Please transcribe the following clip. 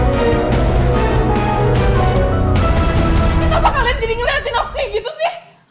kenapa kalian jadi ngeliatin aku kayak gitu sih